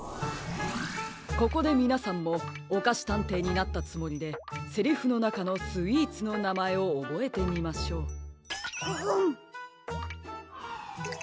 ここでみなさんもおかしたんていになったつもりでセリフのなかのスイーツのなまえをおぼえてみましょう。